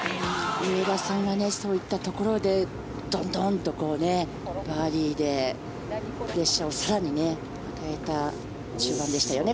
上田さんはそういったところでどんどんとバーディーでプレッシャーを更に与えた中盤でしたよね。